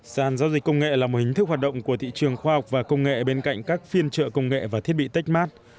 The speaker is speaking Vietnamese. sàn giao dịch công nghệ là một hình thức hoạt động của thị trường khoa học và công nghệ bên cạnh các phiên trợ công nghệ và thiết bị techmart